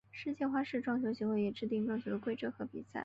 世界花式撞球协会也制定撞球的规则和比赛。